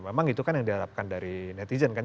memang itu kan yang diharapkan dari netizen kan